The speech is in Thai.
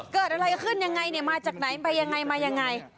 เกิดอะไรขึ้นยังไงเนี่ยมาจากไหนมายังไงมายังไง